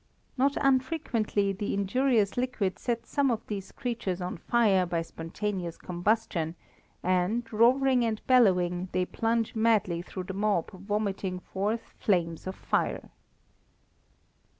Not unfrequently, the injurious liquid sets some of these creatures on fire by spontaneous combustion, and, roaring and bellowing, they plunge madly through the mob vomiting forth flames of fire.